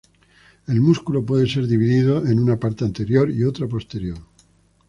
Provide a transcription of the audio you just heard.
El músculo puede ser dividido en una parte anterior y otra posterior.